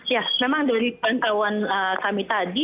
ya memang dari pantauan kami tadi